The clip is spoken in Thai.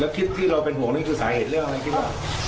แล้วคิดที่เราเป็นห่วงในคิดสาเหตุเรื่องอะไรนะ